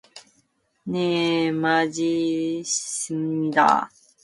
네, 맞습니다.